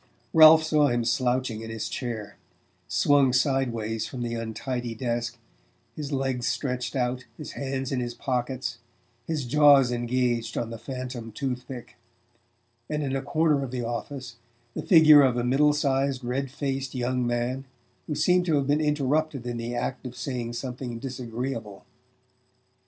Ralph saw him slouching in his chair, swung sideways from the untidy desk, his legs stretched out, his hands in his pockets, his jaws engaged on the phantom tooth pick; and, in a corner of the office, the figure of a middle sized red faced young man who seemed to have been interrupted in the act of saying something disagreeable.